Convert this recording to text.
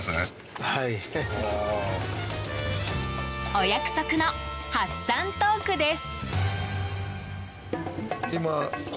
お約束のハッサントークです。